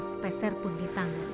speser pun ditanggung